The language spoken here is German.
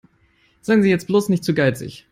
Seien Sie jetzt bloß nicht zu geizig.